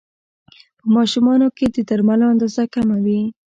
په ماشومانو کې د درملو اندازه کمه وي.